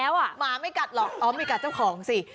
หมาไม่กัดหรอกอ๋อไม่กัดเจ้าของสิ